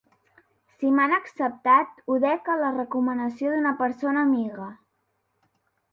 Si m'han acceptat, ho dec a la recomanació d'una persona amiga.